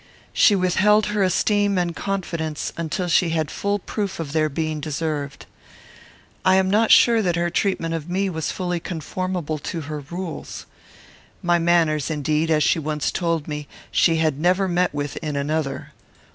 She withheld her esteem and confidence until she had full proof of their being deserved. I am not sure that her treatment of me was fully conformable to her rules. My manners, indeed, as she once told me, she had never met with in another.